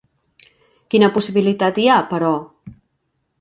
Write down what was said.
Quina possibilitat hi ha, però?